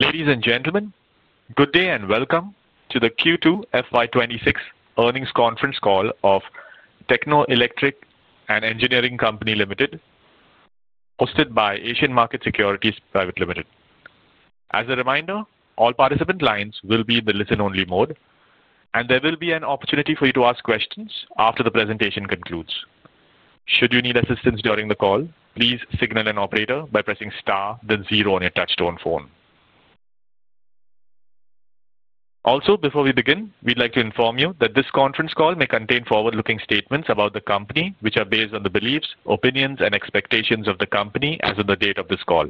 Ladies and gentlemen, good day and welcome to the Q2 FY2026 earnings conference call of Techno Electric & Engineering Company Limited, hosted by Asian Market Securities Private Limited. As a reminder, all participant lines will be in the listen-only mode, and there will be an opportunity for you to ask questions after the presentation concludes. Should you need assistance during the call, please signal an operator by pressing star, then zero on your touchstone phone. Also, before we begin, we'd like to inform you that this conference call may contain forward-looking statements about the company, which are based on the beliefs, opinions, and expectations of the company as of the date of this call.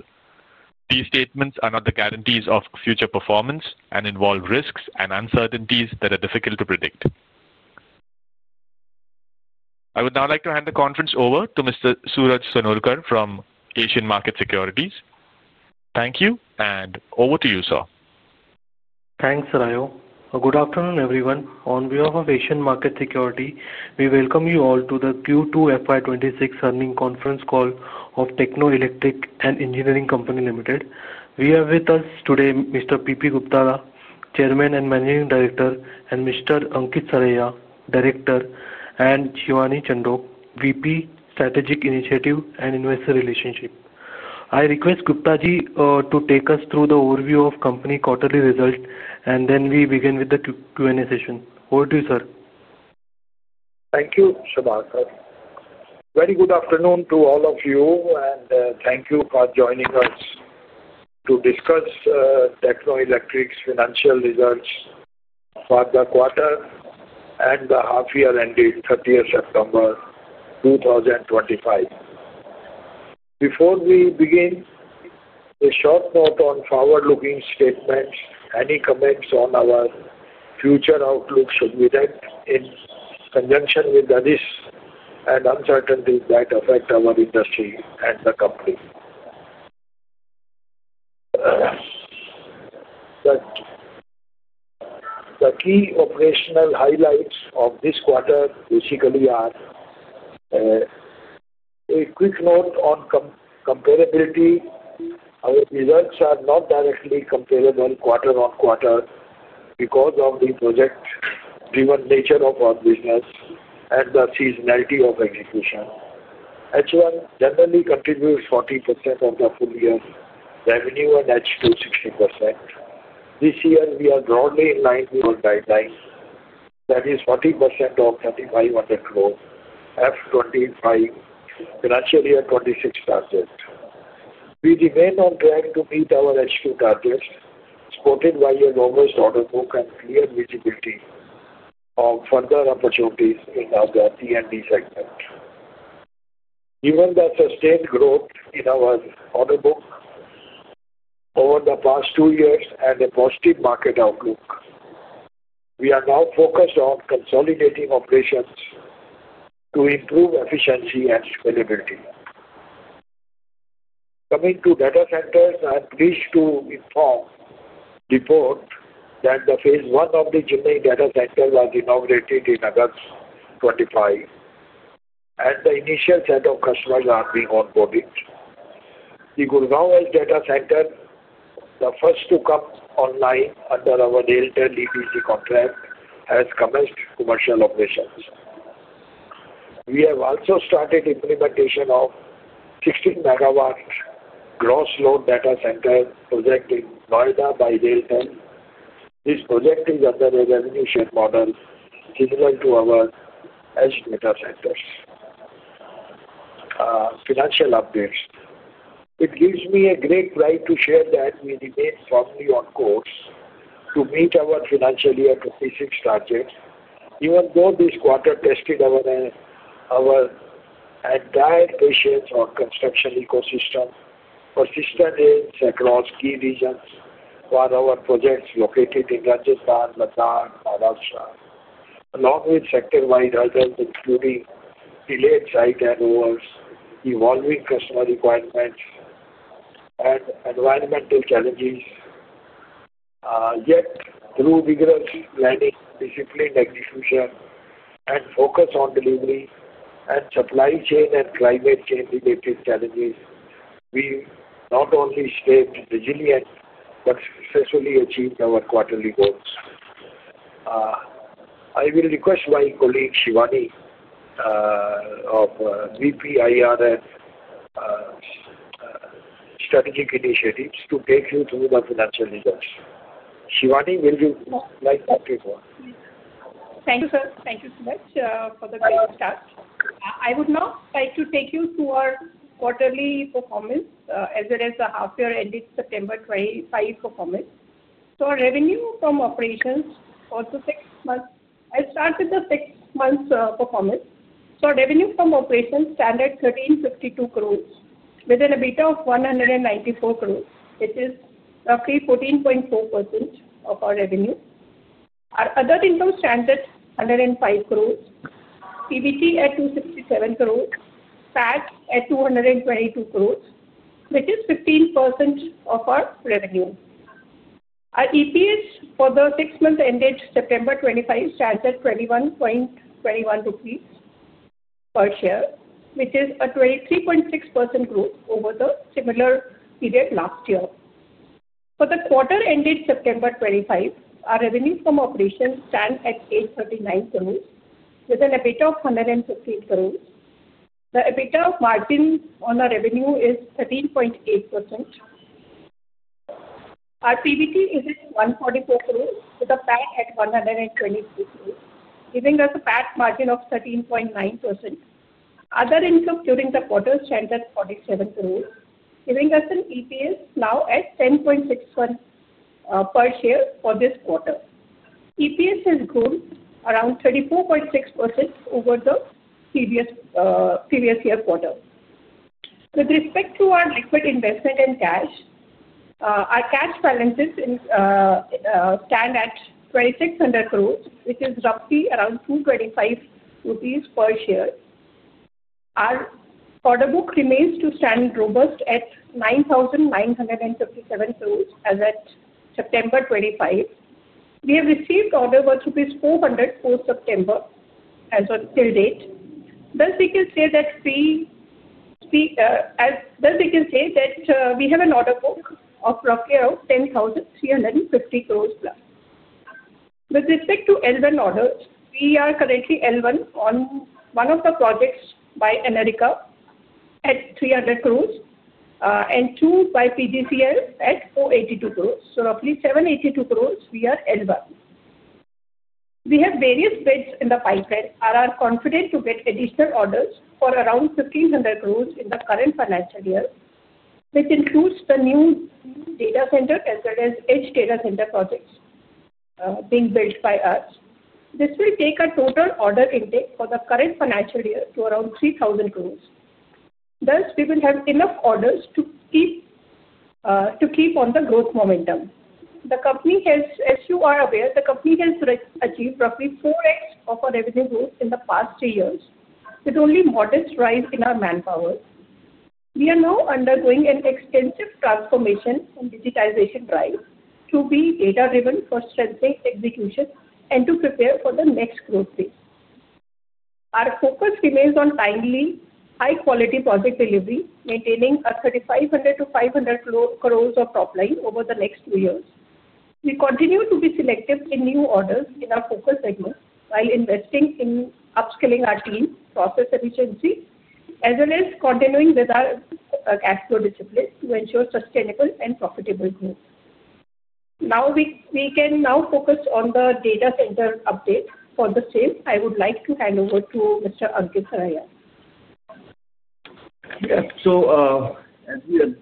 These statements are not the guarantees of future performance and involve risks and uncertainties that are difficult to predict. I would now like to hand the conference over to Mr. Suraj Sonulkar from Asian Market Securities. Thank you, and over to you, sir. Thanks, Rayo. Good afternoon, everyone. On behalf of Asian Market Securities, we welcome you all to the Q2 FY2026 earnings conference call of Techno Electric & Engineering Company Limited. We have with us today Mr. P. P. Gupta, Chairman and Managing Director, and Mr. Ankit Saraiya, Director, and Shivani Chandak, VP, Strategic Initiatives and Investor Relations. I request Gupta ji to take us through the overview of the company's quarterly results, and then we begin with the Q&A session. Over to you, sir. Thank you, Shubha. Very good afternoon to all of you, and thank you for joining us to discuss Techno Electric's financial results for the quarter and the half-year end date: 30th September 2025. Before we begin, a short note on forward-looking statements. Any comments on our future outlook should be read in conjunction with the risks and uncertainties that affect our industry and the company. The key operational highlights of this quarter basically are a quick note on comparability. Our results are not directly comparable quarter-on-quarter because of the project-driven nature of our business and the seasonality of execution. H1 generally contributes 40% of the full-year revenue and H2 60%. This year, we are broadly in line with our guidelines, that is 40% of 3,500 crore financial year 2026 target. We remain on track to meet our H2 targets, supported by a robust order book and clear visibility of further opportunities in our T&D segment. Given the sustained growth in our order book over the past two years and a positive market outlook, we are now focused on consolidating operations to improve efficiency and scalability. Coming to data centers, I'm pleased to inform, report that the phase 1 of the Chennai data center was inaugurated in August 2025, and the initial set of customers are being onboarded. The Gurugram data center, the first to come online under our RailTel EDC contract, has commenced commercial operations. We have also started implementation of a 16-megawatt gross load data center project in Noida by RailTel. This project is under a revenue-shared model similar to our Edge Data Centers. Financial updates. It gives me great pride to share that we remain firmly on course to meet our financial year 2026 target, even though this quarter tested our entire patient or construction ecosystem, persistent aids across key regions for our projects located in Rajasthan, Ladakh, and Maharashtra, along with sector-wide hurdles including delayed site handovers, evolving customer requirements, and environmental challenges. Yet, through vigorous planning, disciplined execution, and focus on delivery and supply chain and climate change-related challenges, we not only stayed resilient but successfully achieved our quarterly goals. I will request my colleague Shivani, VP, IR and Strategic Initiatives, to take you through the financial results. Shivani, will you like to take over? Thank you, sir. Thank you so much for the great start. I would now like to take you to our quarterly performance as well as the half-year end date: September 25 performance. Our revenue from operations for the six months—I will start with the six-month performance. Our revenue from operations stands at 1,352 crores, with an EBITDA of 194 crores, which is roughly 14.4% of our revenue. Our other income stands at 105 crores, PBT at 267 crores, PAT at 222 crores, which is 15% of our revenue. Our EPS for the six-month end date: September 25 stands at 21.21 rupees per share, which is a 23.6% growth over the similar period last year. For the quarter end date: September 25, our revenue from operations stands at 839 crores, with an EBITDA of 115 crores. The EBITDA margin on our revenue is 13.8%. Our PBT is at 144 crores, with a PAT at 123 crores, giving us a PAT margin of 13.9%. Other income during the quarter stands at 47 crores, giving us an EPS now at 10.61 per share for this quarter. EPS has grown around 34.6% over the previous year quarter. With respect to our liquid investment and cash, our cash balances stand at 2,600 crores, which is roughly around 225 rupees per share. Our order book remains to stand robust at 9,957 crores as of September 25. We have received order work rupees 400 crores post-September as of till date. Thus, we can say that we have an order book of roughly around 10,350 crores plus. With respect to L1 orders, we are currently L1 on one of the projects by Enerica at 300 crores and two by PGCL at 482 crores. So, roughly 782 crores, we are L1. We have various bids in the pipeline and are confident to get additional orders for around 1,500 crores in the current financial year, which includes the new data center as well as edge data center projects being built by us. This will take our total order intake for the current financial year to around 3,000 crores. Thus, we will have enough orders to keep on the growth momentum. As you are aware, the company has achieved roughly 4X of our revenue growth in the past three years, with only modest rise in our manpower. We are now undergoing an extensive transformation and digitization drive to be data-driven for strengthening execution and to prepare for the next growth phase. Our focus remains on timely, high-quality project delivery, maintaining a 3,500-500 crores of top line over the next two years. We continue to be selective in new orders in our focus segment while investing in upskilling our team, process efficiency, as well as continuing with our cash flow discipline to ensure sustainable and profitable growth. Now, we can now focus on the data center update. For the same, I would like to hand over to Mr. Ankit Saraiya. Yes. As you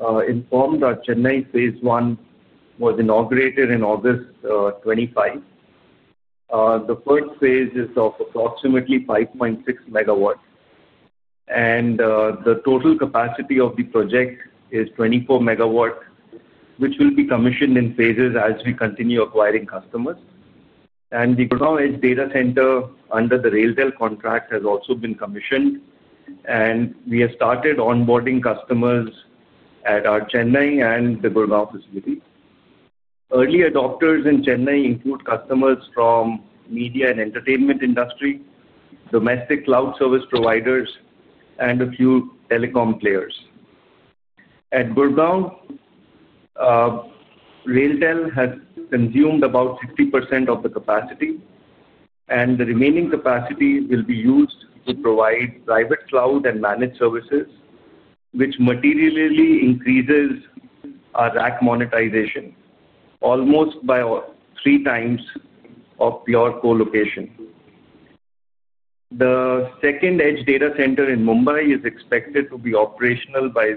are informed, our Chennai phase 1 was inaugurated in August 2025. The first phase is of approximately 5.6 megawatts, and the total capacity of the project is 24 megawatts, which will be commissioned in phases as we continue acquiring customers. The Gurugram data center under the RailTel contract has also been commissioned, and we have started onboarding customers at our Chennai and the Gurugram facility. Early adopters in Chennai include customers from the media and entertainment industry, domestic cloud service providers, and a few telecom players. At Gurugram, RailTel has consumed about 50% of the capacity, and the remaining capacity will be used to provide private cloud and managed services, which materially increases our rack monetization almost by three times of pure colocation. The second edge data center in Mumbai is expected to be operational by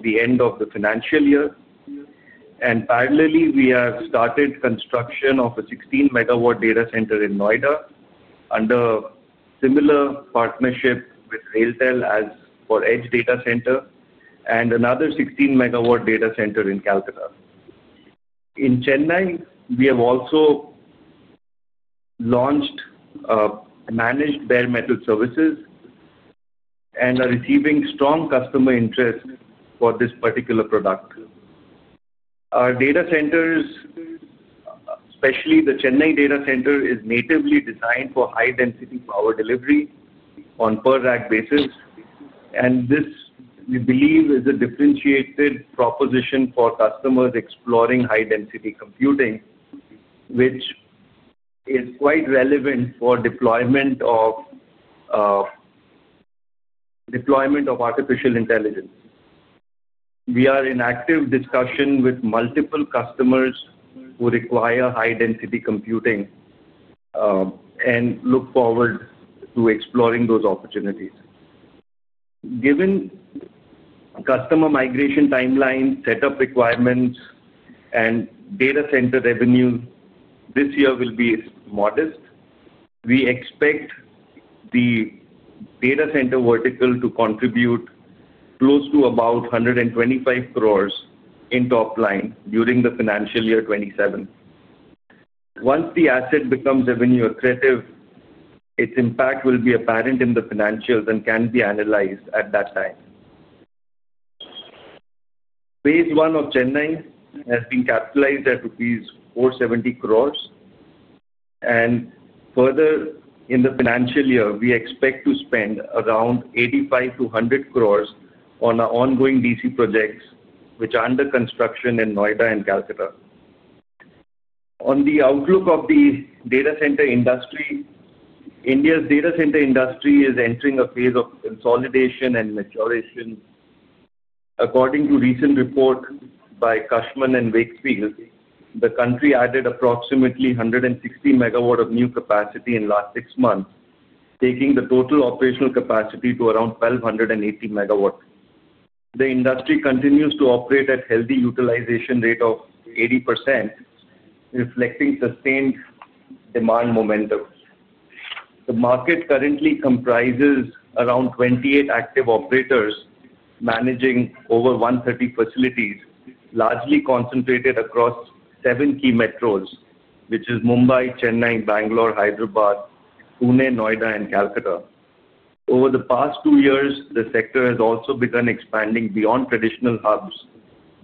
the end of the financial year, and parallelly, we have started construction of a 16-megawatt data center in Noida under a similar partnership with RailTel as for edge data center and another 16-megawatt data center in Calcutta. In Chennai, we have also launched managed bare metal services and are receiving strong customer interest for this particular product. Our data centers, especially the Chennai data center, are natively designed for high-density power delivery on per-rack basis, and this, we believe, is a differentiated proposition for customers exploring high-density computing, which is quite relevant for deployment of artificial intelligence. We are in active discussion with multiple customers who require high-density computing and look forward to exploring those opportunities. Given customer migration timeline, setup requirements, and data center revenue, this year will be modest. We expect the data center vertical to contribute close to about 125 crore in top line during the financial year 2027. Once the asset becomes revenue-accretive, its impact will be apparent in the financials and can be analyzed at that time. Phase 1 of Chennai has been capitalized at rupees 470 crore, and further in the financial year, we expect to spend around 85-100 crore on our ongoing DC projects, which are under construction in Noida and Calcutta. On the outlook of the data center industry, India's data center industry is entering a phase of consolidation and maturation. According to a recent report by Cushman & Wakefield, the country added approximately 160 megawatts of new capacity in the last six months, taking the total operational capacity to around 1,280 megawatts. The industry continues to operate at a healthy utilization rate of 80%, reflecting sustained demand momentum. The market currently comprises around 28 active operators managing over 130 facilities, largely concentrated across seven key metros, which are Mumbai, Chennai, Bangalore, Hyderabad, Pune, Noida, and Calcutta. Over the past two years, the sector has also begun expanding beyond traditional hubs,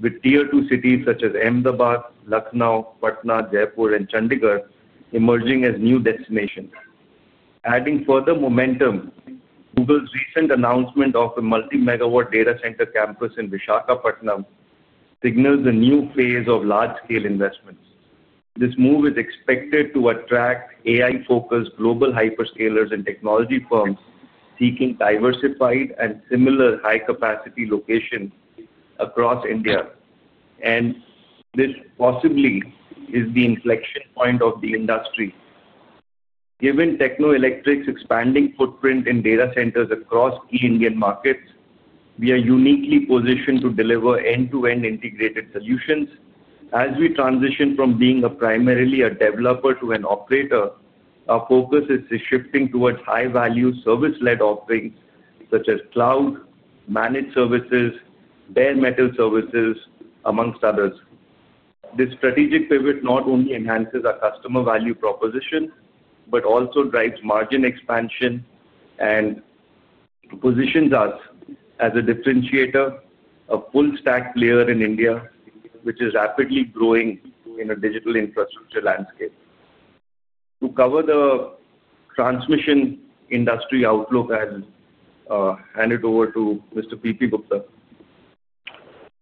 with tier-two cities such as Ahmedabad, Lucknow, Patna, Jaipur, and Chandigarh emerging as new destinations. Adding further momentum, Google's recent announcement of a multi-megawatt data center campus in Visakhapatnam, Patna, signals a new phase of large-scale investments. This move is expected to attract AI-focused global hyperscalers and technology firms seeking diversified and similar high-capacity locations across India, and this possibly is the inflection point of the industry. Given Techno Electric's expanding footprint in data centers across key Indian markets, we are uniquely positioned to deliver end-to-end integrated solutions. As we transition from being primarily a developer to an operator, our focus is shifting towards high-value service-led offerings such as cloud, managed services, bare metal services, amongst others. This strategic pivot not only enhances our customer value proposition but also drives margin expansion and positions us as a differentiator, a full-stack player in India, which is rapidly growing in a digital infrastructure landscape. To cover the transmission industry outlook, I'll hand it over to Mr. P. P. Gupta.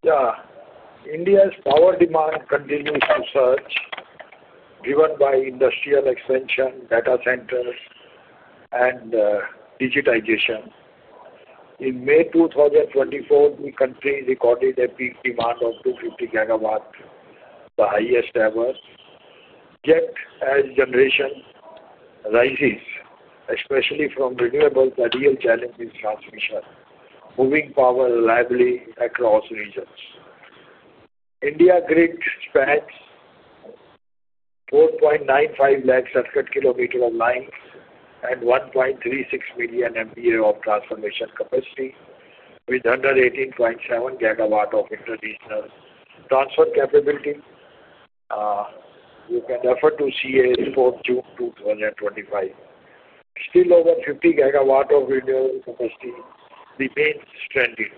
Yeah. India's power demand continues to surge, driven by industrial expansion, data centers, and digitization. In May 2024, the country recorded a peak demand of 250 gigawatts, the highest ever. Yet, as generation rises, especially from renewables, the real challenge is transmission, moving power reliably across regions. India's grid spans 4.95 lakh circuit kilometers of lines and 1.36 million MPA of transformation capacity, with 118.7 gigawatts of international transfer capability. You can refer to CA report June 2025. Still, over 50 gigawatts of renewable capacity remains stranded.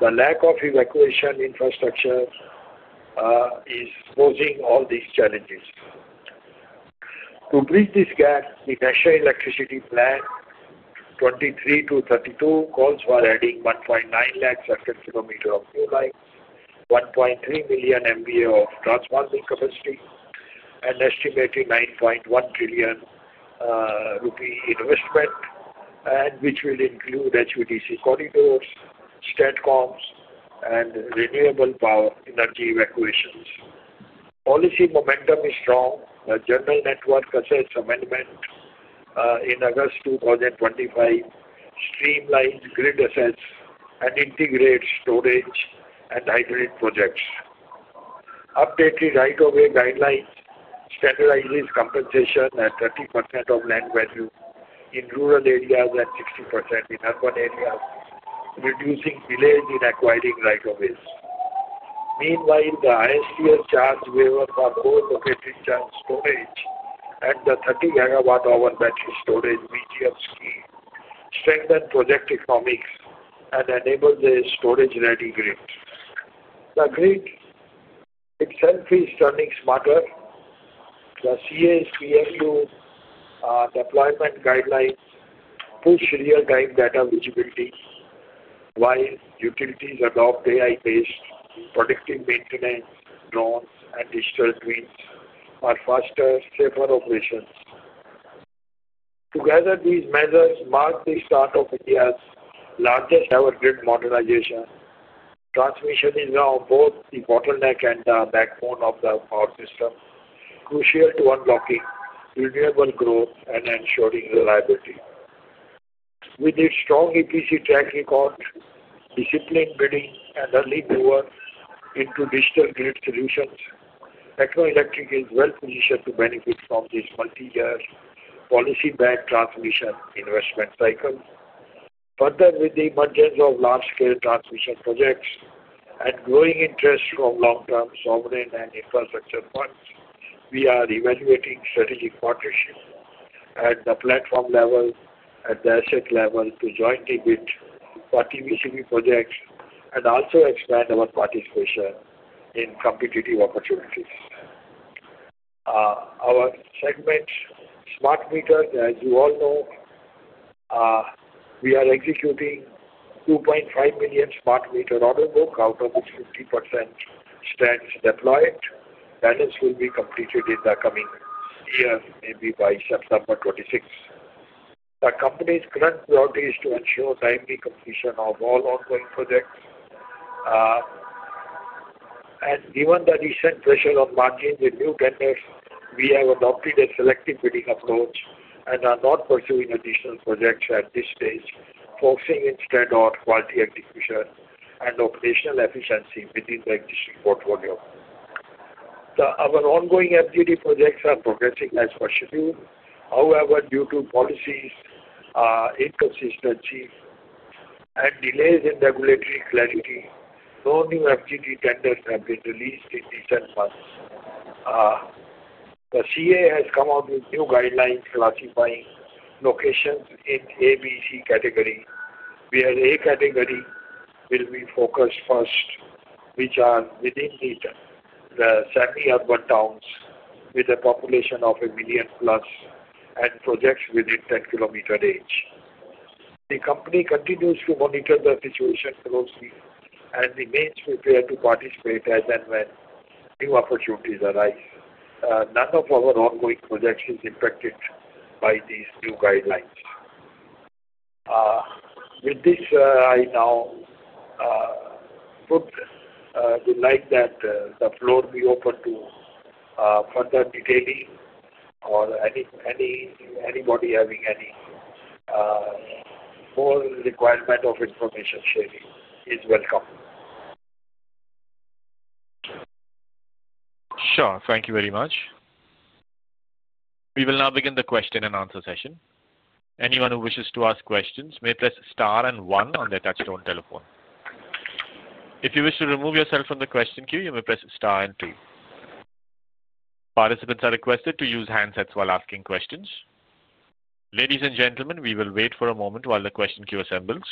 The lack of evacuation infrastructure is posing all these challenges. To bridge this gap, the National Electricity Plan 2023 to 2032 calls for adding 190,000 circuit kilometers of new lines, 1.3 million MPA of transforming capacity, and an estimated 9.1 trillion rupee investment, which will include HVDC corridors, STATCOMs, and renewable power energy evacuations. Policy momentum is strong. The General Network Assets Amendment in August 2025 streamlines grid assets and integrates storage and hydrogen projects. Updated right-of-way guidelines standardize compensation at 30% of land value in rural areas and 60% in urban areas, reducing delays in acquiring right-of-ways. Meanwhile, the ISTS charge waiver for co-located storage and the 30 gigawatt-hour battery storage medium scheme strengthen project economics and enable the storage-ready grid. The grid itself is turning smarter. The CA's PLU deployment guidelines push real-time data visibility while utilities adopt AI-based predictive maintenance drones and digital twins for faster, safer operations. Together, these measures mark the start of India's largest-ever grid modernization. Transmission is now both the bottleneck and the backbone of the power system, crucial to unlocking renewable growth and ensuring reliability. With its strong EPC track record, disciplined bidding, and early move into digital grid solutions, Techno Electric is well positioned to benefit from this multi-year policy-backed transmission investment cycle. Further, with the emergence of large-scale transmission projects and growing interest from long-term sovereign and infrastructure funds, we are evaluating strategic partnerships at the platform level, at the asset level, to jointly bid for TVCP projects and also expand our participation in competitive opportunities. Our segment, smart meters, as you all know, we are executing a 2.5 million smart meter order book out of which 50% stands deployed. That will be completed in the coming year, maybe by September 2026. The company's current priority is to ensure timely completion of all ongoing projects. Given the recent pressure on margins and new vendors, we have adopted a selective bidding approach and are not pursuing additional projects at this stage, focusing instead on quality execution and operational efficiency within the existing portfolio. Our ongoing FGD projects are progressing as per schedule. However, due to policies, inconsistencies, and delays in regulatory clarity, no new FGD tenders have been released in recent months. The CA has come out with new guidelines classifying locations in A, B, C category, where A category will be focused first, which are within the semi-urban towns with a population of a million plus and projects within 10 km range. The company continues to monitor the situation closely and remains prepared to participate as and when new opportunities arise. None of our ongoing projects is impacted by these new guidelines. With this, I now would like that the floor be opened to further detailing or anybody having any more requirement of information sharing is welcome. Sure. Thank you very much. We will now begin the question and answer session. Anyone who wishes to ask questions may press star and one on their touchstone telephone. If you wish to remove yourself from the question queue, you may press star and two. Participants are requested to use handsets while asking questions. Ladies and gentlemen, we will wait for a moment while the question queue assembles.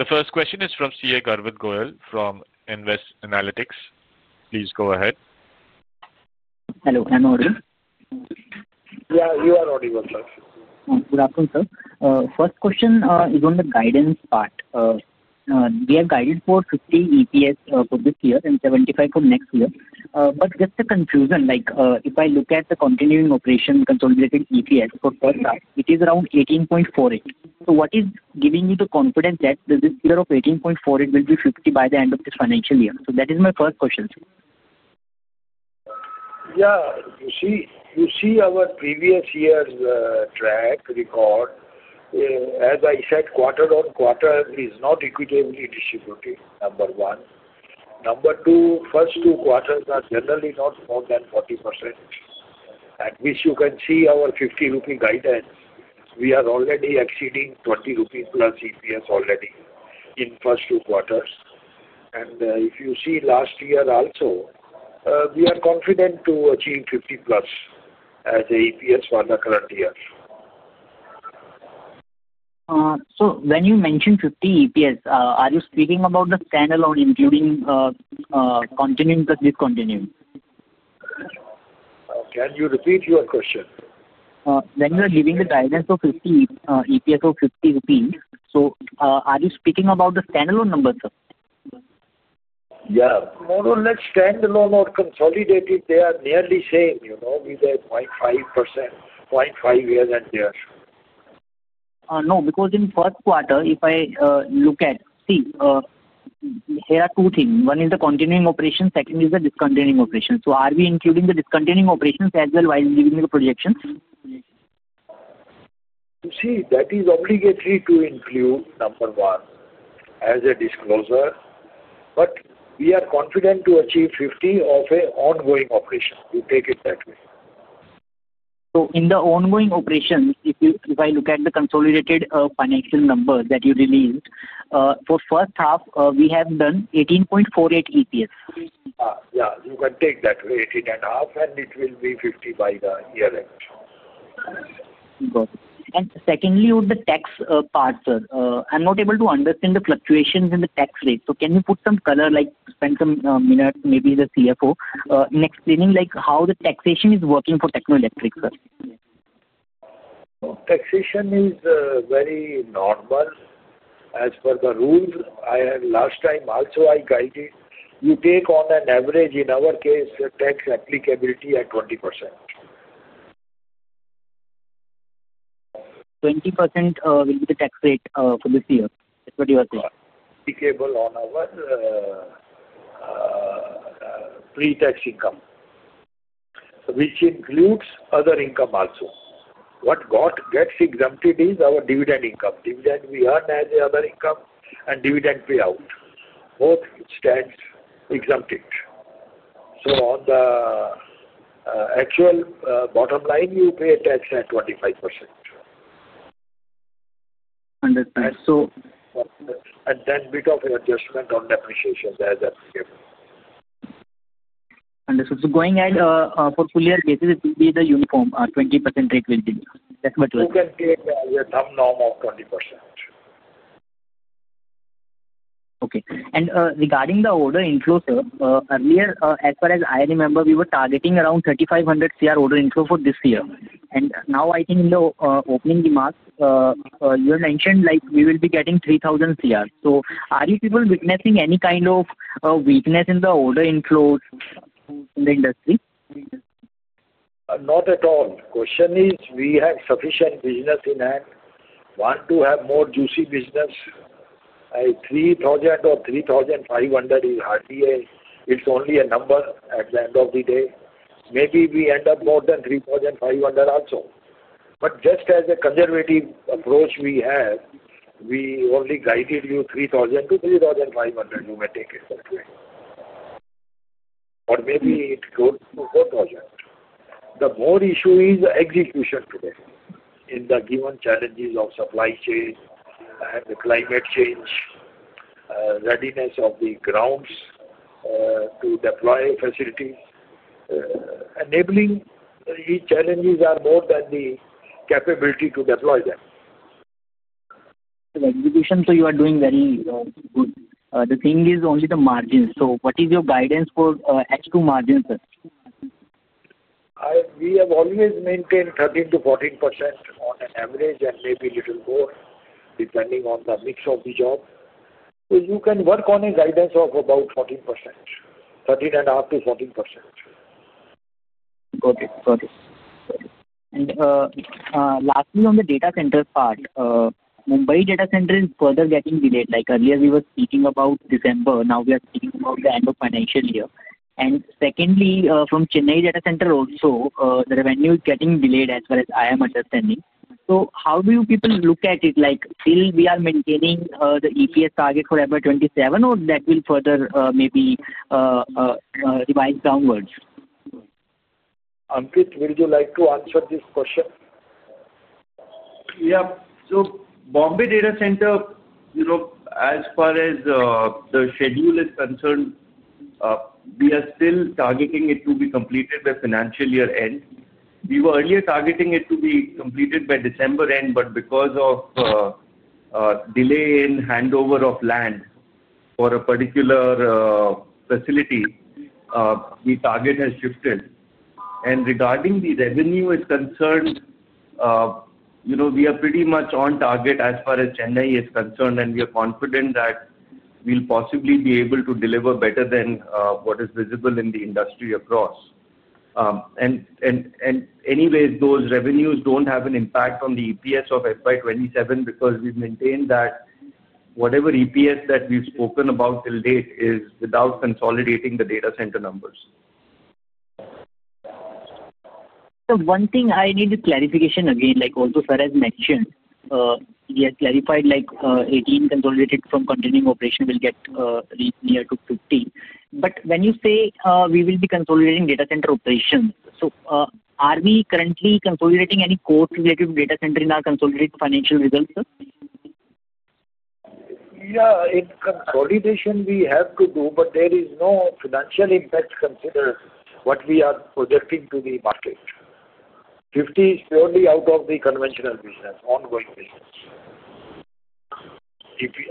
The first question is from CA Garvit Goyal from Invest Analytics. Please go ahead. Hello. I'm audio. Yeah. You are audio, sir. Good afternoon, sir. First question is on the guidance part. We are guided for 50 EPS for this year and 75 for next year. Just a confusion, if I look at the continuing operation consolidated EPS for first half, it is around 18.48. What is giving you the confidence that this year of 18.48 will be 50 by the end of this financial year? That is my first question, sir. Yeah. You see our previous year's track record, as I said, quarter on quarter is not equitably distributed, number one. Number two, first two quarters are generally not more than 40%, at which you can see our 50 rupee guidance. We are already exceeding 20 rupees plus EPS already in first two quarters. If you see last year also, we are confident to achieve 50 plus as EPS for the current year. When you mentioned 50 EPS, are you speaking about the standalone including continuing plus discontinuing? Can you repeat your question? When you are giving the guidance of EPS of 50 rupees, so are you speaking about the standalone numbers, sir? Yeah. More or less standalone or consolidated, they are nearly same, with a 0.5%, 0.5 year on year. No, because in first quarter, if I look at, see, here are two things. One is the continuing operation. Second is the discontinuing operation. So are we including the discontinuing operations as well while giving the projections? You see, that is obligatory to include, number one, as a disclosure. We are confident to achieve 50 of an ongoing operation. You take it that way. In the ongoing operations, if I look at the consolidated financial numbers that you released, for first half, we have done 18.48 EPS. Yeah. You can take that 18.5, and it will be 50 by the year end. Got it. Secondly, on the tax part, sir, I'm not able to understand the fluctuations in the tax rate. Can you put some color, spend some minutes, maybe the CFO, in explaining how the taxation is working for Techno Electric, sir? Taxation is very normal. As per the rule, last time also I guided, you take on an average, in our case, tax applicability at 20%. 20% will be the tax rate for this year, is what you are saying? Applicable on our pretax income, which includes other income also. What gets exempted is our dividend income. Dividend we earn as other income and dividend payout. Both stand exempted. So on the actual bottom line, you pay a tax at 25%. Understood. So. A bit of adjustment on depreciation as applicable. Understood. So going ahead for full-year basis, it will be the uniform 20% rate waived? That's what you are saying? You can take a thumb norm of 20%. Okay. And regarding the order inflow, sir, earlier, as far as I remember, we were targeting around 3,500 crore order inflow for this year. Now, I think in the opening remarks, you mentioned we will be getting 3,000 crore. Are you people witnessing any kind of weakness in the order inflows in the industry? Not at all. The question is we have sufficient business in hand. Want to have more juicy business? 3,000 or 3,500 is hardly a—it's only a number at the end of the day. Maybe we end up more than 3,500 also. Just as a conservative approach we have, we only guided you 3,000-3,500, you may take it that way. Maybe it goes to 4,000. The more issue is execution today in the given challenges of supply chain and the climate change, readiness of the grounds to deploy facilities. Enabling these challenges are more than the capability to deploy them. Execution, so you are doing very good. The thing is only the margins. What is your guidance for H2 margins, sir? We have always maintained 13%-14% on an average and maybe a little more depending on the mix of the job. You can work on a guidance of about 14%, 13.5%-14%. Got it. Got it. Lastly, on the data center part, Mumbai data center is further getting delayed. Earlier, we were speaking about December. Now, we are speaking about the end of financial year. Secondly, from Chennai data center also, the revenue is getting delayed as far as I am understanding. How do you people look at it? Still, we are maintaining the EPS target for FY 2027, or that will further maybe revise downwards? Ankit, would you like to answer this question? Yeah. So Bombay data center, as far as the schedule is concerned, we are still targeting it to be completed by financial year end. We were earlier targeting it to be completed by December end, but because of delay in handover of land for a particular facility, the target has shifted. Regarding the revenue is concerned, we are pretty much on target as far as Chennai is concerned, and we are confident that we'll possibly be able to deliver better than what is visible in the industry across. Anyway, those revenues do not have an impact on the EPS of FY2027 because we maintain that whatever EPS that we've spoken about till date is without consolidating the data center numbers. One thing I need clarification again, also as mentioned, we have clarified 18 consolidated from continuing operation will get reached near to 50. When you say we will be consolidating data center operations, are we currently consolidating any core-related data center in our consolidated financial results, sir? Yeah. In consolidation, we have to do, but there is no financial impact considered what we are projecting to the market. Fifty is purely out of the conventional business, ongoing business,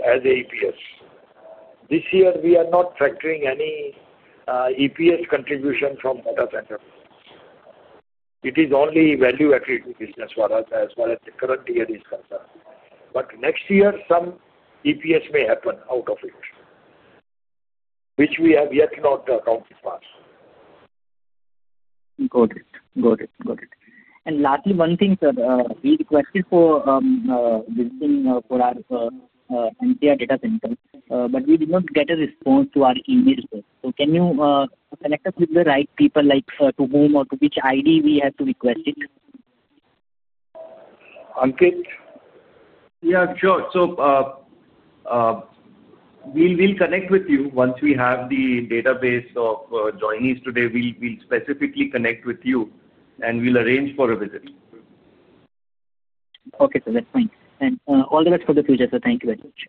as EPS. This year, we are not factoring any EPS contribution from data center. It is only value-added business for us as far as the current year is concerned. Next year, some EPS may happen out of it, which we have yet not accounted for. Got it. Got it. And lastly, one thing, sir. We requested for visiting for our MTR data center, but we did not get a response to our emails. Can you connect us with the right people to whom or to which ID we have to request it? Ankit? Yeah, sure. We will connect with you once we have the database of joinees today. We will specifically connect with you, and we will arrange for a visit. Okay, sir. That is fine. All the best for the future, sir. Thank you very much.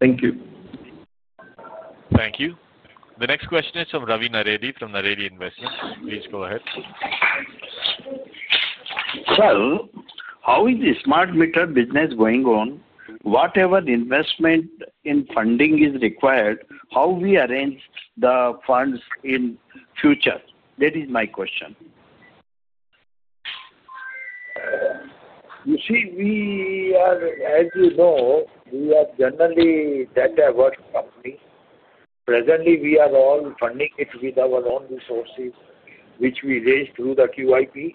Thank you. Thank you. The next question is from Ravi Naredi from Naredi Investments. Please go ahead. How is the smart meter business going on? Whatever investment in funding is required, how do we arrange the funds in future? That is my question. You see, as you know, we are generally a data work company. Presently, we are all funding it with our own resources, which we raised through the QIP.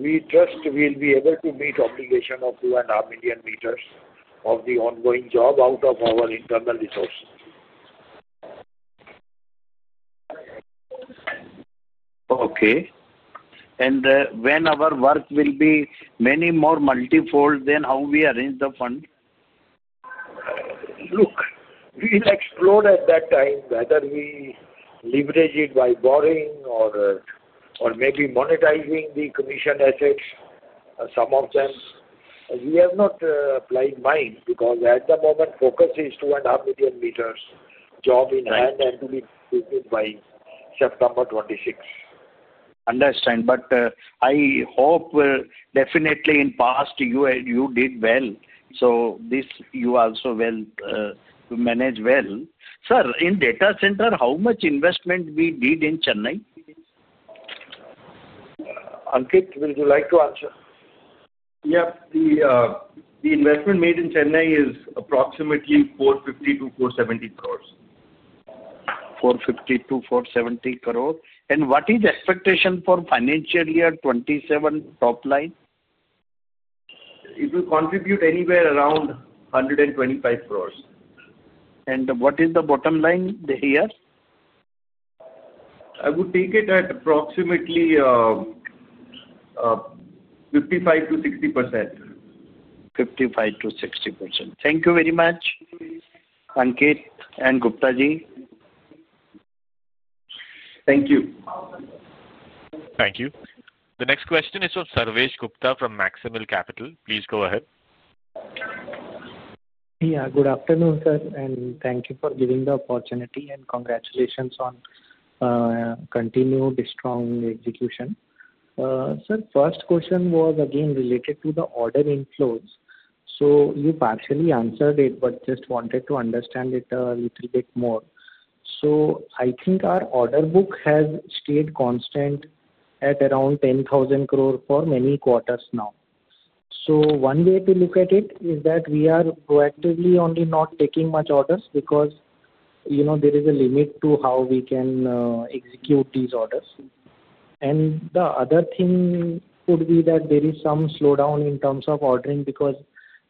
We trust we will be able to meet the obligation of 2.5 million meters of the ongoing job out of our internal resources. Okay. When our work will be many more multi-fold, then how do we arrange the fund? Look, we'll explore at that time whether we leverage it by borrowing or maybe monetizing the commission assets, some of them. We have not applied mine because at the moment, focus is 2.5 million meters job in hand and to be completed by September 2026. Understand. I hope definitely in past, you did well. You also managed well. Sir, in data center, how much investment we did in Chennai? Ankit, would you like to answer? Yeah. The investment made in Chennai is approximately 450-470 crores. 450-470 crores. What is the expectation for financial year 2027 top line? It will contribute anywhere around 125 crore. What is the bottom line here? I would take it at approximately 55-60%. 55%-60%. Thank you very much, Ankit and Guptaji. Thank you. Thank you. The next question is from Sarvesh Gupta from Maximal Capital. Please go ahead. Yeah. Good afternoon, sir. Thank you for giving the opportunity and congratulations on continued strong execution. Sir, first question was again related to the order inflows. You partially answered it, but just wanted to understand it a little bit more. I think our order book has stayed constant at around 10,000 crore for many quarters now. One way to look at it is that we are proactively only not taking much orders because there is a limit to how we can execute these orders. The other thing would be that there is some slowdown in terms of ordering because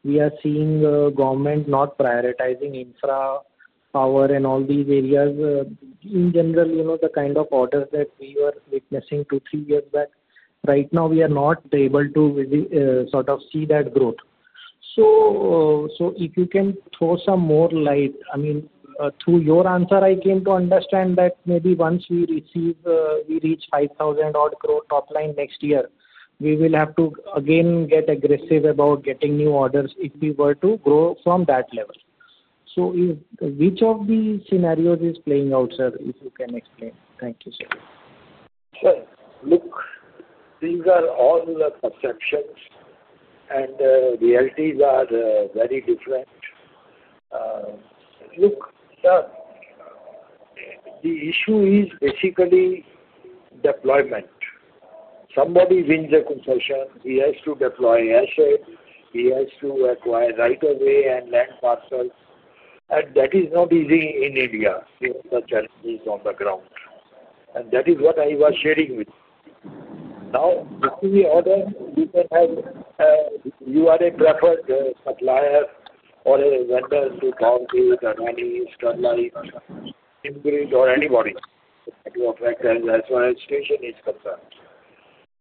we are seeing the government not prioritizing infra power and all these areas. In general, the kind of orders that we were witnessing two to three years back, right now, we are not able to sort of see that growth. If you can throw some more light, I mean, through your answer, I came to understand that maybe once we reach 5,000 crore top line next year, we will have to again get aggressive about getting new orders if we were to grow from that level. Which of these scenarios is playing out, sir, if you can explain? Thank you, sir. Sir, look, these are all perceptions, and realities are very different. Look, sir, the issue is basically deployment. Somebody wins a consortium, he has to deploy assets, he has to acquire right of way and land parcels. That is not easy in India. The challenge is on the ground. That is what I was sharing with you. Now, giving the order, you can have you are a preferred supplier or a vendor to Bombay, Adani, Sterlite, Timbridge, or anybody that you affect as far as station is concerned.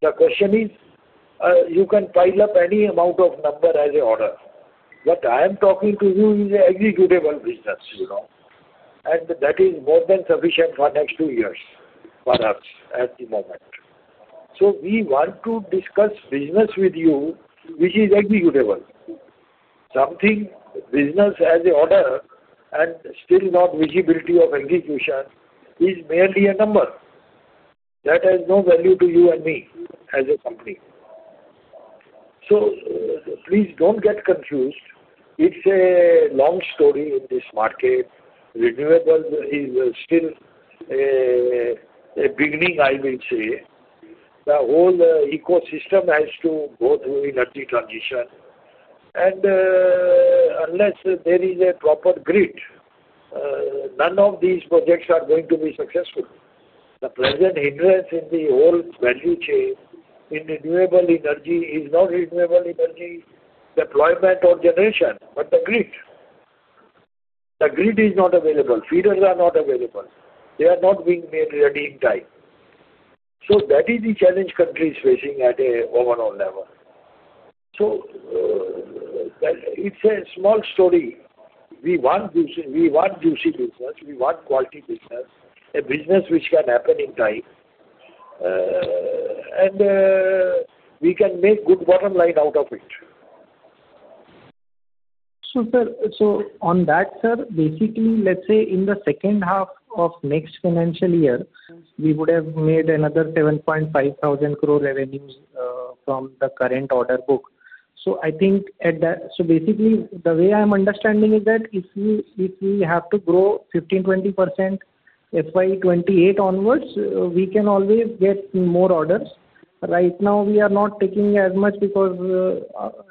The question is you can pile up any amount of number as an order. What I am talking to you is an executable business, and that is more than sufficient for next two years for us at the moment. We want to discuss business with you, which is executable. Something business as an order and still not visibility of execution is merely a number. That has no value to you and me as a company. Please do not get confused. It is a long story in this market. Renewables is still a beginning, I will say. The whole ecosystem has to go through inert transition. Unless there is a proper grid, none of these projects are going to be successful. The present hindrance in the whole value chain in renewable energy is not renewable energy deployment or generation, but the grid. The grid is not available. Feeders are not available. They are not being made ready in time. That is the challenge country is facing at an overall level. It is a small story. We want juicy business. We want quality business, a business which can happen in time, and we can make good bottom line out of it. Sir, on that, sir, basically, let's say in the second half of next financial year, we would have made another 7,500 crore revenues from the current order book. I think at that, so basically, the way I'm understanding is that if we have to grow 15%-20% FY2028 onwards, we can always get more orders. Right now, we are not taking as much because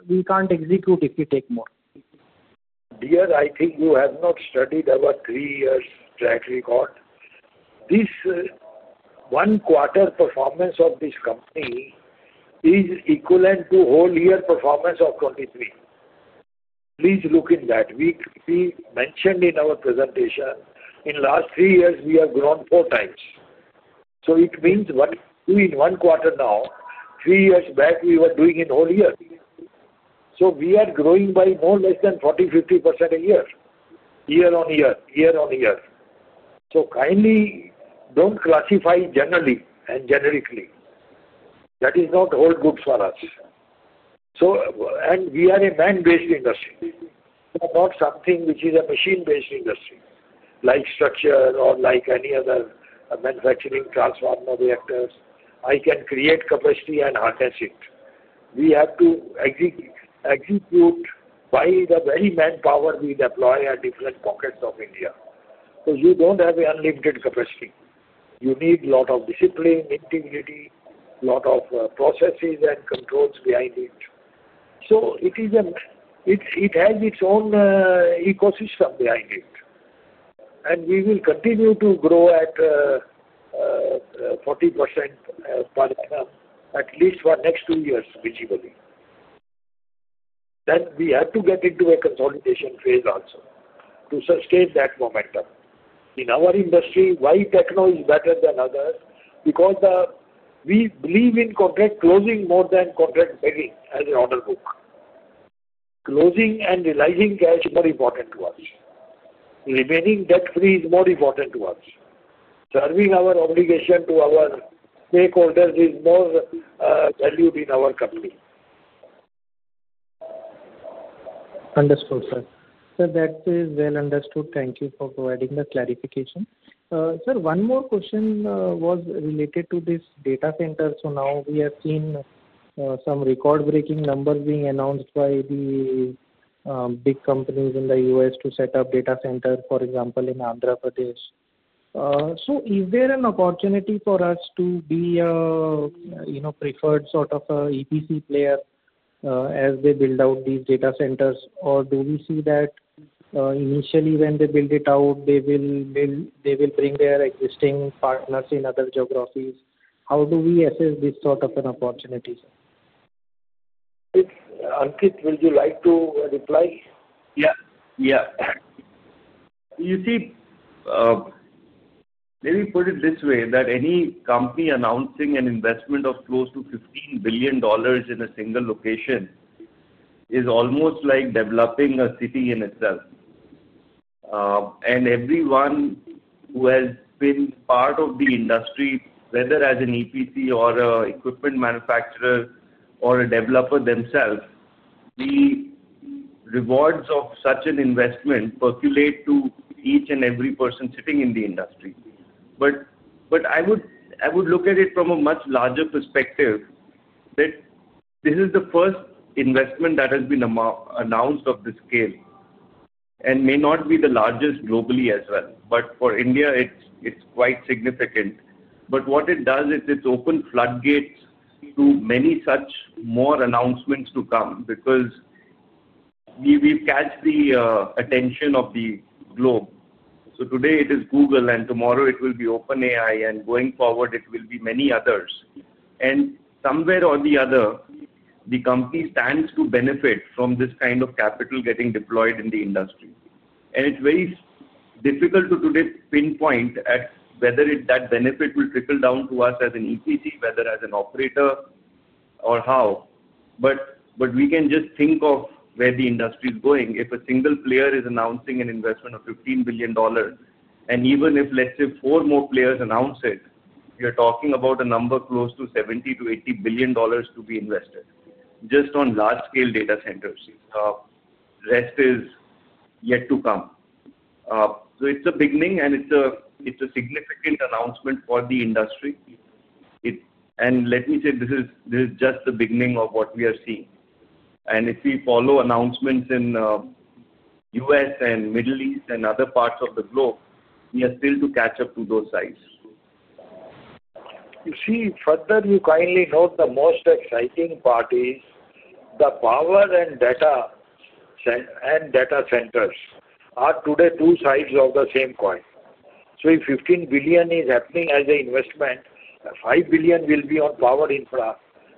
we can't execute if we take more. Dear, I think you have not studied our three years track record. This one quarter performance of this company is equivalent to whole year performance of 2023. Please look in that. We mentioned in our presentation in last three years, we have grown four times. It means in one quarter now, three years back, we were doing in whole year. We are growing by more or less than 40-50% a year, year on year, year on year. Kindly do not classify generally and generically. That is not whole goods for us. We are a man-based industry. We are not something which is a machine-based industry like structure or like any other manufacturing transform reactors. I can create capacity and harness it. We have to execute by the very manpower we deploy at different pockets of India. You do not have an unlimited capacity. You need a lot of discipline, integrity, a lot of processes and controls behind it. It has its own ecosystem behind it. We will continue to grow at 40% at least for the next two years, visibly. We have to get into a consolidation phase also to sustain that momentum. In our industry, why Techno is better than others? We believe in contract closing more than contract bagging as an order book. Closing and realizing cash is more important to us. Remaining debt-free is more important to us. Serving our obligation to our stakeholders is more valued in our company. Understood, sir. Sir, that is well understood. Thank you for providing the clarification. Sir, one more question was related to this data center. Now we have seen some record-breaking numbers being announced by the big companies in the U.S. to set up data centers, for example, in Andhra Pradesh. Is there an opportunity for us to be a preferred sort of EPC player as they build out these data centers, or do we see that initially when they build it out, they will bring their existing partners in other geographies? How do we assess this sort of an opportunity, sir? Ankit, would you like to reply? Yeah. Yeah. You see, let me put it this way, that any company announcing an investment of close to $15 billion in a single location is almost like developing a city in itself. Everyone who has been part of the industry, whether as an EPC or an equipment manufacturer or a developer themselves, the rewards of such an investment percolate to each and every person sitting in the industry. I would look at it from a much larger perspective that this is the first investment that has been announced of this scale and may not be the largest globally as well. For India, it is quite significant. What it does is it has opened floodgates to many such more announcements to come because we have caught the attention of the globe. Today it is Google, and tomorrow it will be OpenAI, and going forward, it will be many others. Somewhere or the other, the company stands to benefit from this kind of capital getting deployed in the industry. It is very difficult to today pinpoint whether that benefit will trickle down to us as an EPC, whether as an operator, or how. We can just think of where the industry is going. If a single player is announcing an investment of $15 billion, and even if, let's say, four more players announce it, you're talking about a number close to $70-$80 billion to be invested just on large-scale data centers. The rest is yet to come. It is a beginning, and it is a significant announcement for the industry. Let me say this is just the beginning of what we are seeing. If we follow announcements in the U.S. and Middle East and other parts of the globe, we are still to catch up to those sides. You see, further, you kindly note the most exciting part is the power and data centers are today two sides of the same coin. If $15 billion is happening as an investment, $5 billion will be on power infra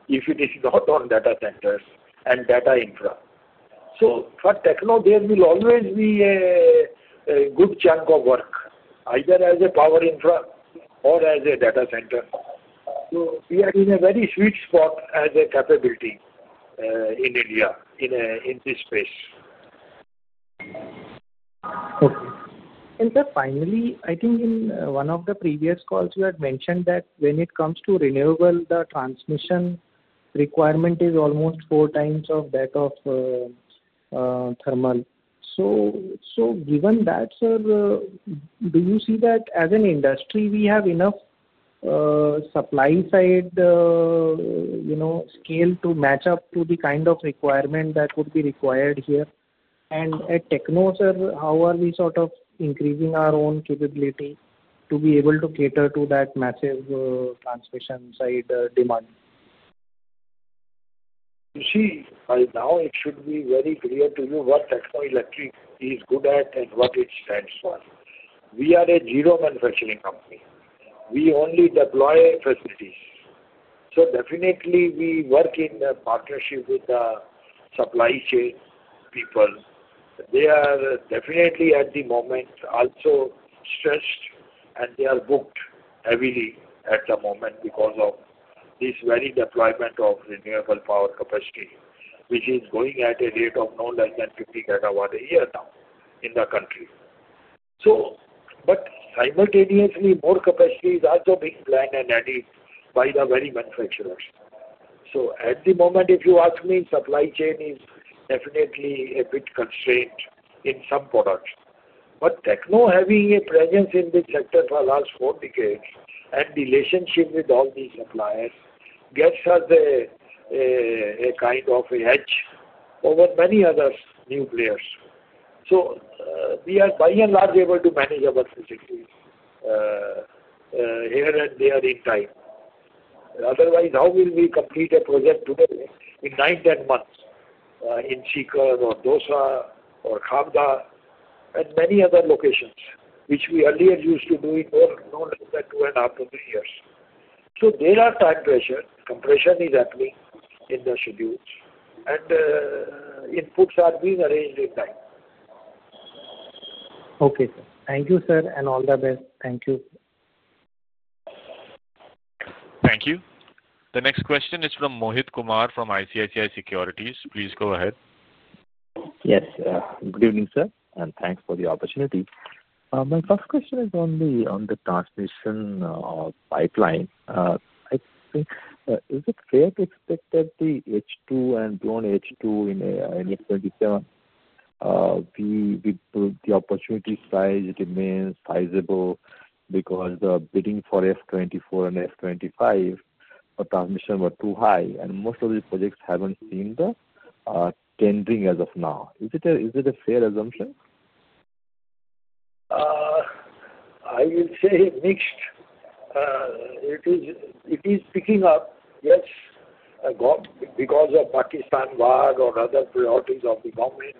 if it is not on data centers and data infra. For Techno, there will always be a good chunk of work either as a power infra or as a data center. We are in a very sweet spot as a capability in India in this space. Okay. And sir, finally, I think in one of the previous calls, you had mentioned that when it comes to renewable, the transmission requirement is almost four times of that of thermal. Given that, sir, do you see that as an industry, we have enough supply-side scale to match up to the kind of requirement that would be required here? At Techno, sir, how are we sort of increasing our own capability to be able to cater to that massive transmission-side demand? You see, right now, it should be very clear to you what Techno Electric is good at and what it stands for. We are a zero manufacturing company. We only deploy facilities. So definitely, we work in partnership with the supply chain people. They are definitely at the moment also stressed, and they are booked heavily at the moment because of this very deployment of renewable power capacity, which is going at a rate of no less than 50 gigawatt a year now in the country. But simultaneously, more capacity is also being planned and added by the very manufacturers. So at the moment, if you ask me, supply chain is definitely a bit constrained in some products. But Techno, having a presence in this sector for the last four decades and relationship with all these suppliers, gives us a kind of edge over many other new players. We are by and large able to manage our facilities here and there in time. Otherwise, how will we complete a project today in 9-10 months in Shikhar or Dosa or Khabda and many other locations, which we earlier used to do in no less than two and a half to three years? There are time pressures. Compression is happening in the schedules, and inputs are being arranged in time. Okay, sir. Thank you, sir, and all the best. Thank you. Thank you. The next question is from Mohit Kumar from ICICI Securities. Please go ahead. Yes, good evening, sir, and thanks for the opportunity. My first question is on the transmission pipeline. I think, is it fair to expect that the H2 and blown H2 in F-27, the opportunity size remains sizable because the bidding for F-24 and F-25 for transmission were too high, and most of these projects haven't seen the tendering as of now? Is it a fair assumption? I will say mixed. It is picking up, yes, because of Pakistan VAG or other priorities of the government.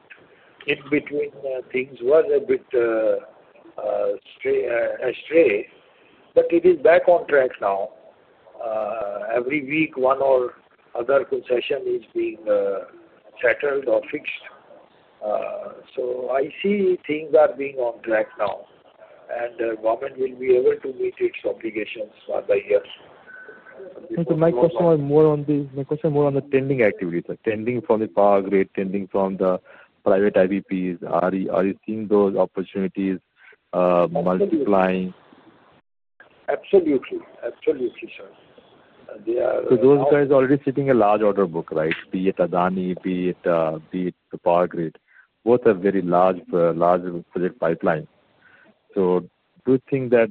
In between, things were a bit astray, but it is back on track now. Every week, one or other concession is being settled or fixed. I see things are being on track now, and the government will be able to meet its obligations by the year. My question was more on the tending activities, tending from the Power Grid, tending from the private IBPs. Are you seeing those opportunities multiplying? Absolutely. Absolutely, sir. They are. Those guys are already sitting a large order book, right? Be it Adani, be it Power Grid. Both are very large project pipelines. Do you think that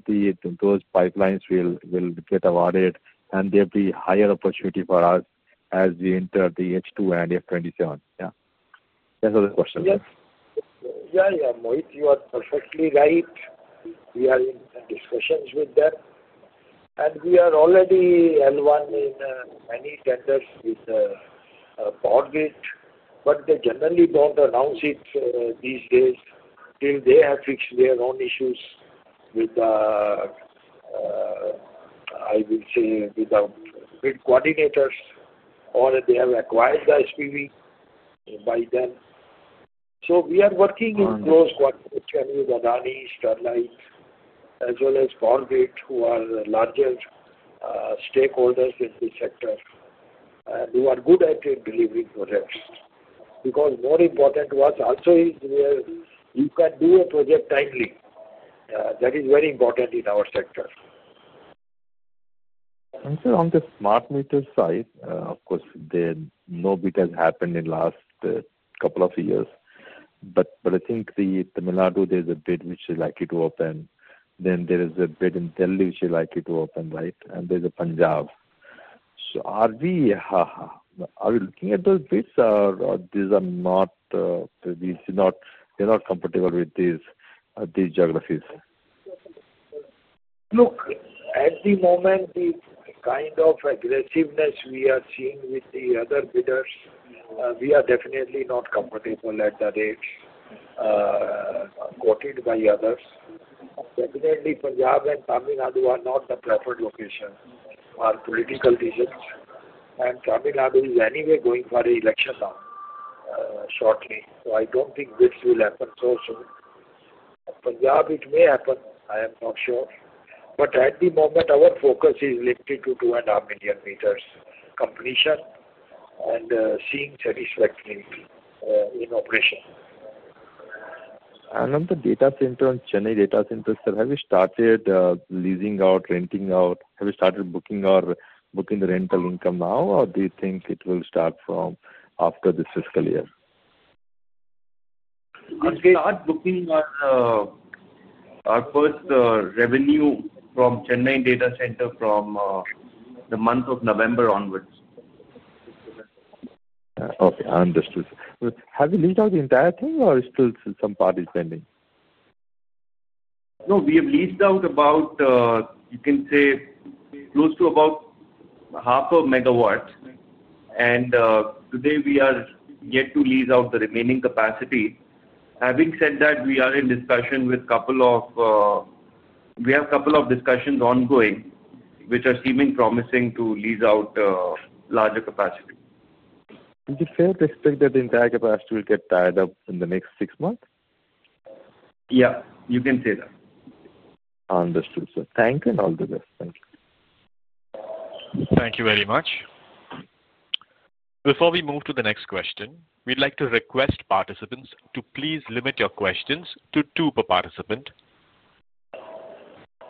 those pipelines will get awarded, and there will be higher opportunity for us as we enter the H2 and F-2027? Yeah. That's the question, sir. Yes. Yeah, yeah. Mohit, you are perfectly right. We are in discussions with them, and we are already L1 in many tenders with Power Grid, but they generally do not announce it these days till they have fixed their own issues with the, I will say, with the grid coordinators, or they have acquired the SPV by then. We are working in close cooperation with Adani, Sterlite, as well as Power Grid, who are larger stakeholders in this sector and who are good at delivering projects. Because more important to us also is where you can do a project timely. That is very important in our sector. Sir, on the smart meter side, of course, no bid has happened in the last couple of years. I think Tamil Nadu, there is a bid which they like to open. There is a bid in Delhi which they like to open, right? There is a Punjab. Are we looking at those bids, or are they not comfortable with these geographies? Look, at the moment, the kind of aggressiveness we are seeing with the other bidders, we are definitely not comfortable at the rates quoted by others. Definitely, Punjab and Tamil Nadu are not the preferred locations for political reasons. Tamil Nadu is anyway going for an election now shortly. I do not think bids will happen so soon. Punjab, it may happen. I am not sure. At the moment, our focus is limited to 2.5 million meters completion and seeing satisfactory in operation. On the data center and Chennai data centers, sir, have you started leasing out, renting out? Have you started booking or booking the rental income now, or do you think it will start from after this fiscal year? We start booking our first revenue from Chennai data center from the month of November onwards. Okay. I understood. Have you leased out the entire thing, or is still some part is pending? No, we have leased out about, you can say, close to about 0.5 MW. Today, we are yet to lease out the remaining capacity. Having said that, we are in discussion with a couple of, we have a couple of discussions ongoing, which are seeming promising to lease out larger capacity. Is it fair to expect that the entire capacity will get tied up in the next six months? Yeah. You can say that. Understood, sir. Thank you and all the best. Thank you. Thank you very much. Before we move to the next question, we'd like to request participants to please limit your questions to two per participant.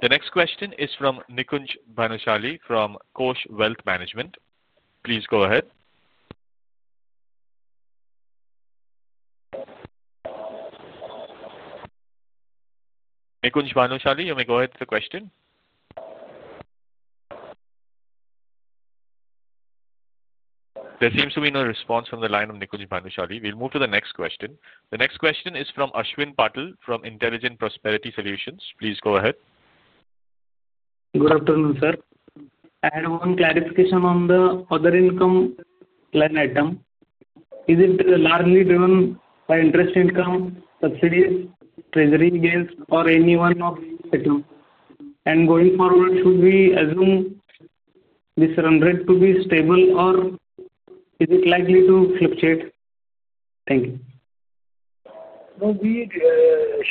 The next question is from Nikunj Banushali from Kosh Wealth Management. Please go ahead. Nikunj Banushali, you may go ahead with the question. There seems to be no response from the line of Nikunj Banushali. We'll move to the next question. The next question is from Ashwin Patil from Intelligent Prosperity Solutions. Please go ahead. Good afternoon, sir. I had one clarification on the other income line item. Is it largely driven by interest income, subsidies, treasury gains, or any one of these items? Going forward, should we assume this rendered to be stable, or is it likely to fluctuate? Thank you. No, we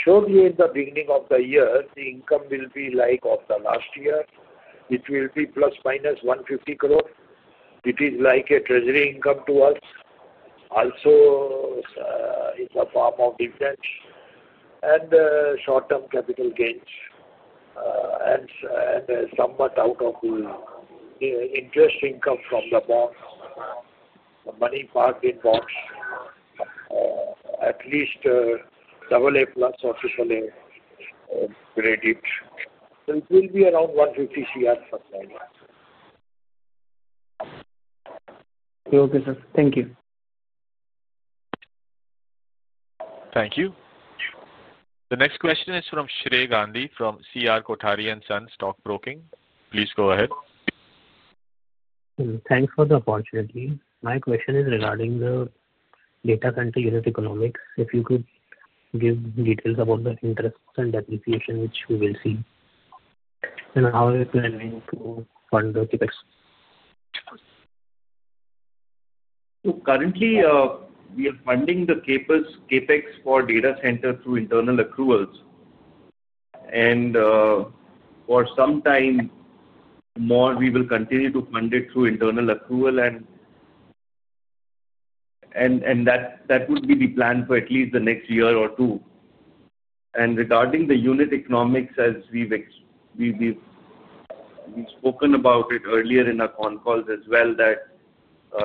showed you at the beginning of the year, the income will be like of the last year. It will be plus minus 150 crore. It is like a treasury income to us. Also, it's a form of dividends and short-term capital gains. And somewhat out of interest income from the bonds, the money parked in bonds, at least AA plus or AAA credit. So it will be around 150 crore per annum. Okay, sir. Thank you. Thank you. The next question is from Shrey Gandhi from CR Kothari and Sons Stock Broking. Please go ahead. Thanks for the opportunity. My question is regarding the data center unit economics. If you could give details about the interest and depreciation, which we will see, and how it will be to fund the CapEx. Currently, we are funding the CapEx for data center through internal accruals. For some time more, we will continue to fund it through internal accrual, and that would be the plan for at least the next year or two. Regarding the unit economics, as we have spoken about it earlier in our con calls as well,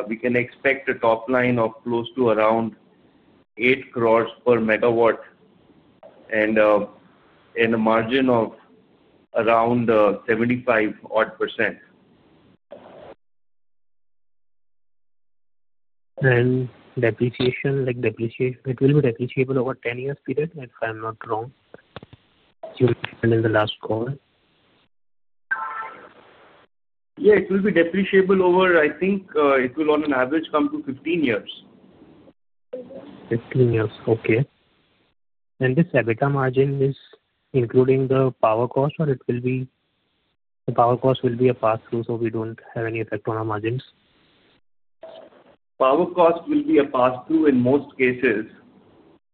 we can expect a top line of close to around 80,000,000 per megawatt and a margin of around 75% odd. Depreciation, it will be depreciable over a 10-year period, if I'm not wrong, during the last call? Yeah, it will be depreciable over, I think, it will on average come to 15 years. 15 years. Okay. And the EBITDA margin is including the power cost, or the power cost will be a pass-through, so we do not have any effect on our margins? Power cost will be a pass-through in most cases.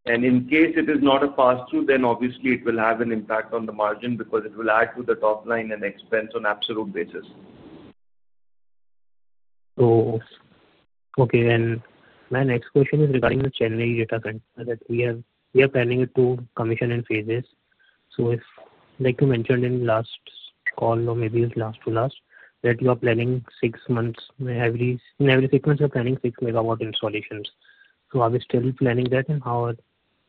In case it is not a pass-through, then obviously it will have an impact on the margin because it will add to the top line and expense on an absolute basis. Okay. My next question is regarding the Chennai data center that we are planning to commission in phases. Like you mentioned in the last call, or maybe it is last to last, that you are planning every six months, you are planning 6 megawatt installations. Are we still planning that, and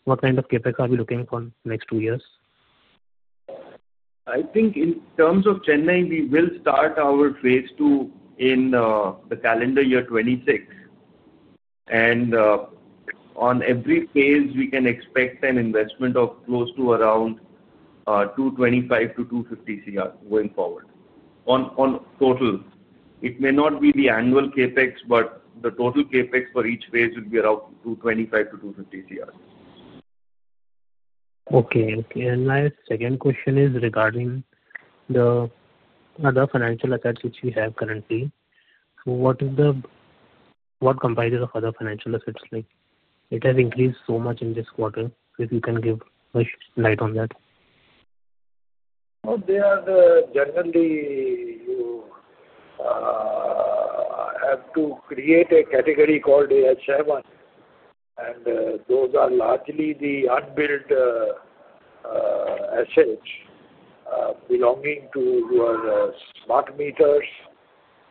what kind of CapEx are we looking for next two years? I think in terms of Chennai, we will start our phase two in the calendar year 2026. On every phase, we can expect an investment of close to around 225 crore-250 crore going forward. In total, it may not be the annual CapEx, but the total CapEx for each phase would be around 225 crore-250 crore. Okay. My second question is regarding the other financial assets which we have currently. What comprises of other financial assets? It has increased so much in this quarter. If you can give much light on that. You have to create a category called AHM, and those are largely the unbilled assets belonging to your smart meters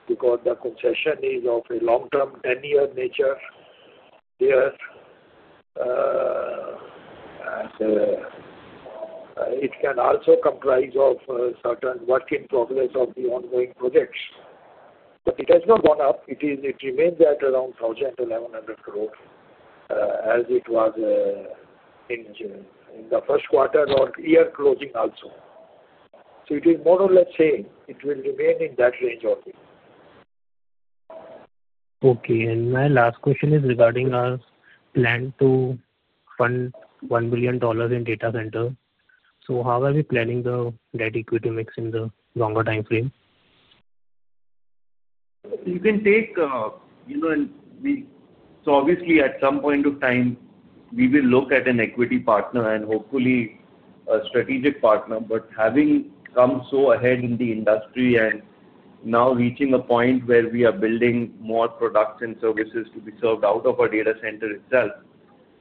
because the concession is of a long-term 10-year nature there. It can also comprise of certain work in progress of the ongoing projects. It has not gone up. It remains at around 1,100 crore as it was in the first quarter or year closing also. It is more or less the same. It will remain in that range only. Okay. My last question is regarding our plan to fund $1 billion in data center. How are we planning the net equity mix in the longer time frame? You can take so obviously, at some point of time, we will look at an equity partner and hopefully a strategic partner. Having come so ahead in the industry and now reaching a point where we are building more products and services to be served out of our data center itself,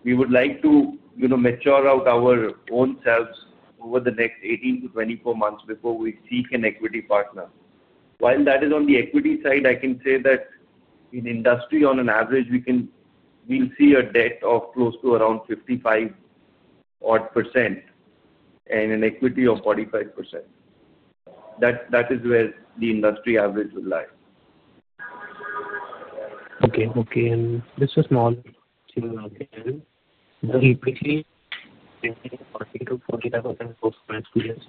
we would like to mature out our own selves over the next 18-24 months before we seek an equity partner. While that is on the equity side, I can say that in industry, on an average, we'll see a debt of close to around 55% and an equity of 45%. That is where the industry average will lie. Okay. Okay. This is small. Okay. And then equity, INR 15,000-40,000 crores per SPUs.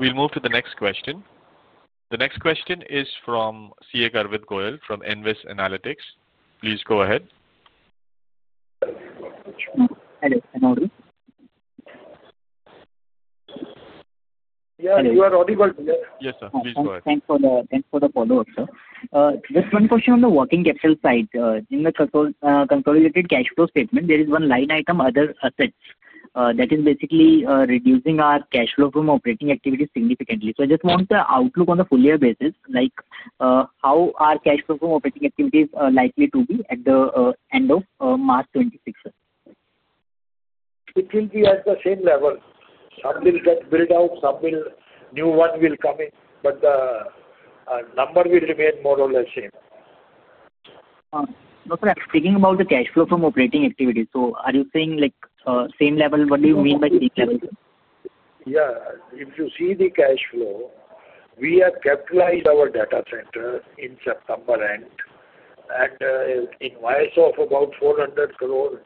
We'll move to the next question. The next question is from CA Garvit Goyal from Invest Analytics. Please go ahead. Hello. Can I know this? Yeah. You are audible, sir. Yes, sir. Please go ahead. Thanks for the follow-up, sir. Just one question on the working capital side. In the consolidated cash flow statement, there is one line item, other assets. That is basically reducing our cash flow from operating activities significantly. I just want the outlook on a full-year basis, like how are cash flow from operating activities likely to be at the end of March 2026? It will be at the same level. Some will get built out. Some new one will come in. The number will remain more or less same. No, sir. Speaking about the cash flow from operating activities, are you saying same level? What do you mean by same level? Yeah. If you see the cash flow, we have capitalized our data center in September, and in wires of about 400 crore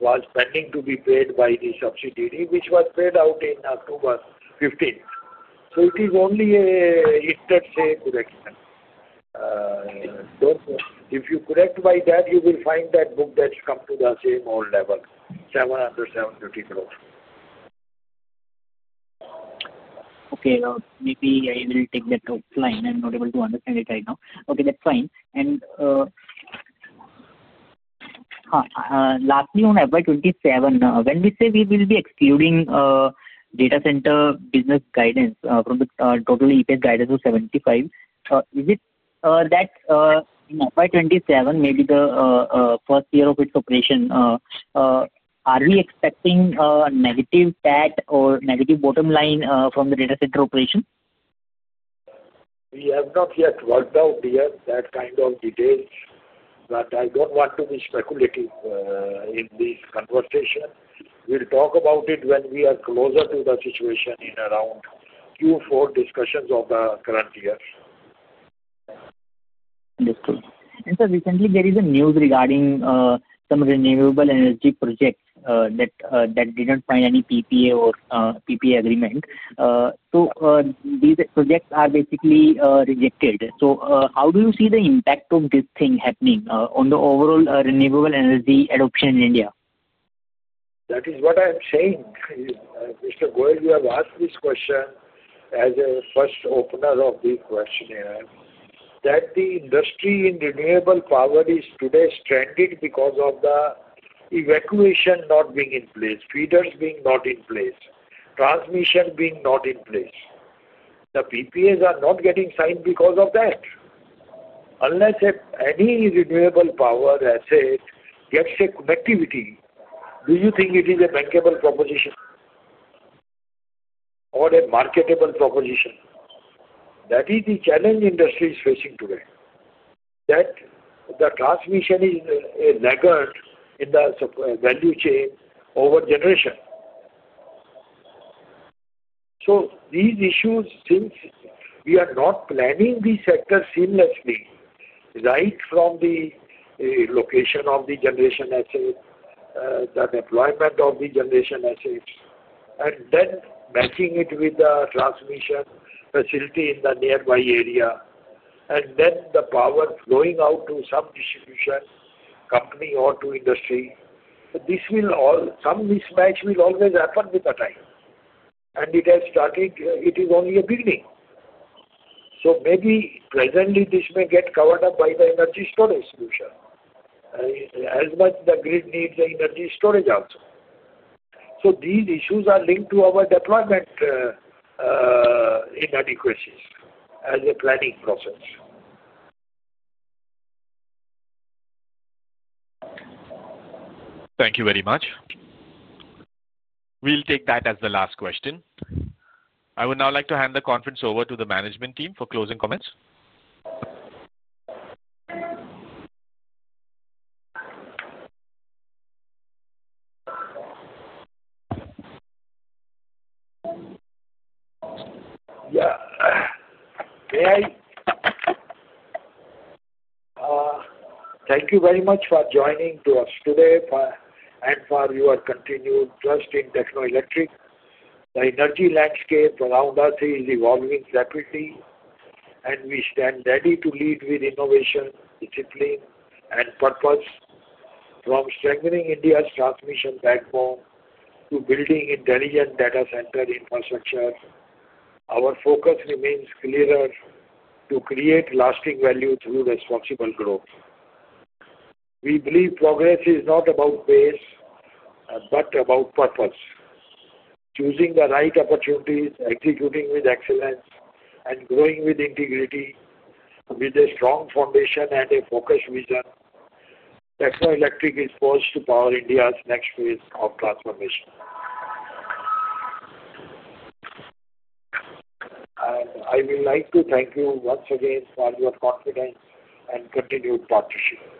was pending to be paid by the subsidiary, which was paid out on October 15th. It is only an interest-saved correction. If you correct by that, you will find that book debts come to the same old level, 770 crore. Okay. Maybe I will take that offline. I'm not able to understand it right now. Okay. That's fine. Lastly, on FY 2027, when we say we will be excluding data center business guidance from the total EPS guidance of 75, is it that in FY 2027, maybe the first year of its operation, are we expecting a negative PAT or negative bottom line from the data center operation? We have not yet worked out yet that kind of details. I do not want to be speculative in this conversation. We will talk about it when we are closer to the situation in around Q4 discussions of the current year. Understood. Sir, recently, there is a news regarding some renewable energy projects that did not find any PPA or PPA agreement. These projects are basically rejected. How do you see the impact of this thing happening on the overall renewable energy adoption in India? That is what I am saying. Mr. Goyal, you have asked this question as a first opener of the questionnaire that the industry in renewable power is today stranded because of the evacuation not being in place, feeders being not in place, transmission being not in place. The PPAs are not getting signed because of that. Unless any renewable power asset gets a connectivity, do you think it is a bankable proposition or a marketable proposition? That is the challenge industry is facing today, that the transmission is a laggard in the value chain over generation. These issues, since we are not planning the sector seamlessly, right from the location of the generation asset, the deployment of the generation assets, and then matching it with the transmission facility in the nearby area, and then the power flowing out to some distribution company or to industry, this will all, some mismatch will always happen with the time. It has started; it is only a beginning. Maybe presently, this may get covered up by the energy storage solution. As much, the grid needs the energy storage also. These issues are linked to our deployment inadequacies as a planning process. Thank you very much. We'll take that as the last question. I would now like to hand the conference over to the management team for closing comments. Yeah. Thank you very much for joining us today and for your continued trust in Techno Electric. The energy landscape around us is evolving rapidly, and we stand ready to lead with innovation, discipline, and purpose. From strengthening India's transmission platform to building intelligent data center infrastructure, our focus remains clear to create lasting value through responsible growth. We believe progress is not about pace but about purpose. Choosing the right opportunities, executing with excellence, and growing with integrity, with a strong foundation and a focused vision, Techno Electric is poised to power India's next phase of transformation. I would like to thank you once again for your confidence and continued partnership.